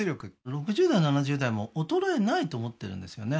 ６０代７０代も衰えないと思ってるんですよね